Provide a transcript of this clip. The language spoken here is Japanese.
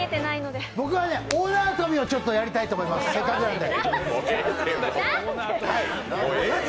僕は大縄跳びをやりたいと思います、せっかくなんで。